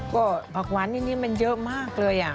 ก็ผักหวานอย่างนี้มันเยอะมากเลย